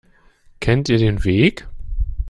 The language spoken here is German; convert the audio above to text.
Kennt ihr den Weg?